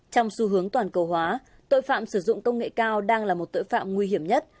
trong xu hướng toàn cầu hóa tội phạm sử dụng công nghệ cao đang là một tội phạm nguy hiểm nhất